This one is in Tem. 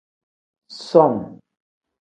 Som.